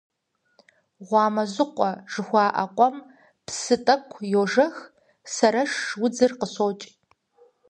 «Гъуамэжьыкъуэ» жыхуаӀэ къуэм псы тӀэкӀу йожэх, сэрэш удзыр къыщокӀ.